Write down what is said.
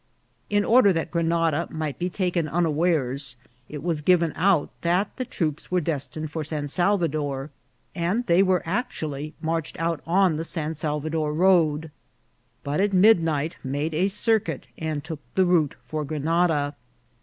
In or der that Grenada might be taken unawares, it was given out that the troops were destined for San Salvador, and they were actually marched out on the San Salvador road ; but at midnight made a circuit, and took the route for Grenada.